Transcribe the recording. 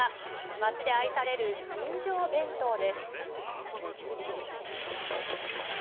町で愛される人情弁当です。